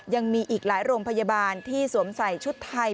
ยังมีอีกหลายโรงพยาบาลที่สวมใส่ชุดไทย